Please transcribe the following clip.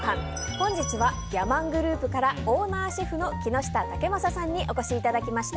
本日はギャマングループからオーナーシェフの木下威征さんにお越しいただきました。